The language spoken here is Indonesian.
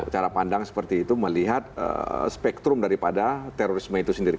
cara pandang seperti itu melihat spektrum daripada terorisme itu sendiri